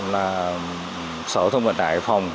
là sở giao thông vận tải hải phòng